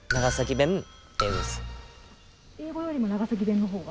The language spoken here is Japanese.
英語よりも長崎弁の方が？